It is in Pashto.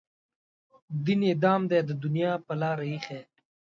دین یې دام دی د دنیا په لاره ایښی.